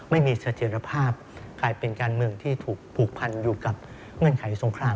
ไม่มีเสถียรภาพกลายเป็นการเมืองที่ถูกผูกพันอยู่กับเงื่อนไขสงคราม